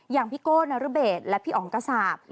อย่างพี่โก๊ดนารุเบตและพี่อ๋องกษาบ